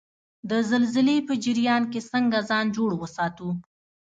د زلزلې په جریان کې څنګه ځان جوړ وساتو؟